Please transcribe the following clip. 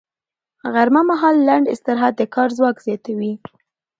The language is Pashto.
غرمه مهال لنډ استراحت د کار ځواک زیاتوي